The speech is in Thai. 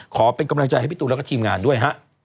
ขอเป็นกำลังใจให้พี่ตูนแล้วก็ทีมงานด้วยฮะ